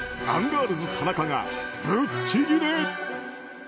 アンガールズ田中がブチギレ。